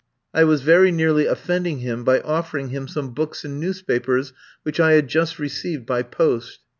I was very nearly offending him by offering him some books and newspapers which I had just received by post.